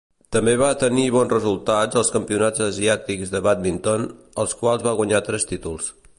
També va tenir bons resultats als campionats asiàtics de bàdminton, als quals va guanyar tres títols.